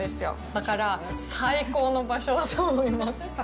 だから、最高の場所だと思います。